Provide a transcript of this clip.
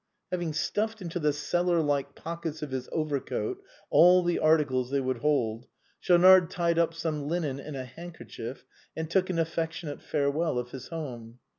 Having stuffed into the cellar like pockets of his over coat all the articles they would hold, Schaunard tied up some linen in a handkerchief, and took an affectionate farewell of his home.